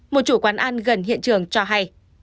một chủ quán ăn gần hiện trường cho hay